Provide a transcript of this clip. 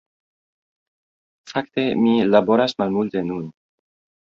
Fakte, mi laboras malmulte nun.